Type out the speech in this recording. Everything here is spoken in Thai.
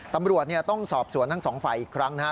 ตำรวจต้องสอบสวนทั้งสองฝ่ายอีกครั้งนะฮะ